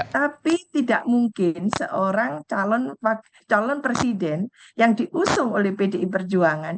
tapi tidak mungkin seorang calon presiden yang diusung oleh pdi perjuangan